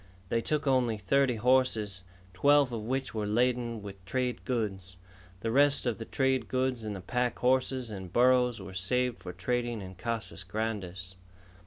They took only thirty horses, twelve of which were laden with trade goods. The rest of the trade goods and the pack horses and burros were saved for trading in Casas Grandes.